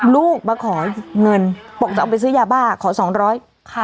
ลูกมาขอเงินบอกจะเอาไปซื้อยาบ้าขอสองร้อย